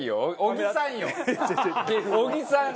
小木さん。